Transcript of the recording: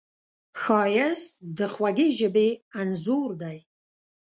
ښایست د خوږې ژبې انځور دی